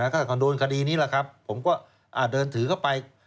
การโดนคดีนี้ผมก็เดินถือเข้าไป